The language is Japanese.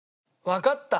わかった！